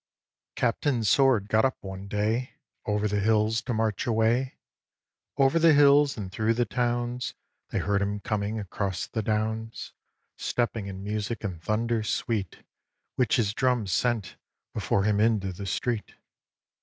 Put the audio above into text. Captain Sword got up one day, Over the hills to march away, Over the hills and through the towns, They heard him coming across the downs, Stepping in music and thunder sweet, Which his drums sent before him into the street.